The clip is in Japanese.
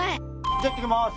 じゃあ行ってきます！